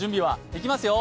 いきますよ。